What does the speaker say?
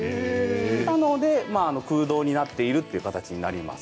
なので空洞になっているという形になります。